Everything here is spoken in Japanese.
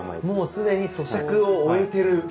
もう既にそしゃくを終えてる。